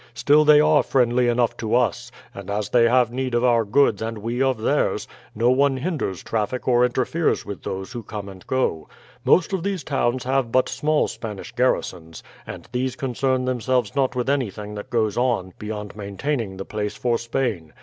Still they are friendly enough to us; and as they have need of our goods and we of theirs, no one hinders traffic or interferes with those who come and go. Most of these towns have but small Spanish garrisons, and these concern themselves not with anything that goes on beyond maintaining the place for Spain.